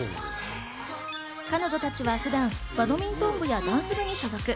彼女たちは普段、バドミントン部やダンス部に所属。